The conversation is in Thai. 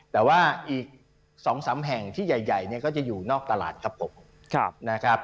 แต่ว่าอีก๒๓แห่งที่ใหญ่เนี่ยก็จะอยู่นอกตลาดครับผมนะครับ